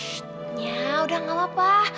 shh nyanya udah enggak apa apa